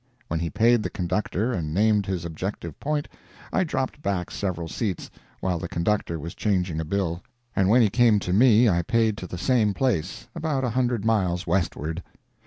When he paid the conductor and named his objective point, I dropped back several seats, while the conductor was changing a bill, and when he came to me I paid to the same place about a hundred miles westward.